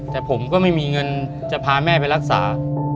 แต่ผมก็ไม่มีเงินจะพาแม่ไปรักษา